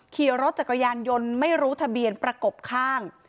ขี่รถจักรยานยนต์ไม่รู้ทะเบียนประกบข้าง